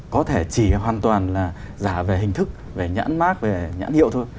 có thể chỉ hoàn toàn là giả về hình thức về nhãn mát về nhãn hiệu thôi